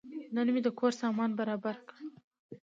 نن مې د کور سامان برابر کړ.